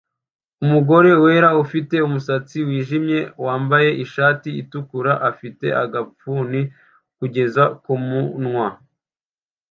Umugore wera ufite umusatsi wijimye wambaye ishati itukura afite agafuni kugeza kumunwa